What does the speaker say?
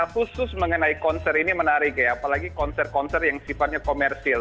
khusus mengenai konser ini menarik ya apalagi konser konser yang sifatnya komersil